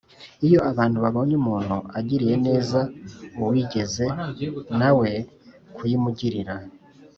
iyo abantu babonye umuntu agiriye neza uwigeze na we kuyimugirira